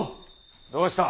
どうした？